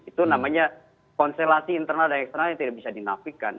itu namanya konstelasi internal dan eksternal yang tidak bisa dinafikan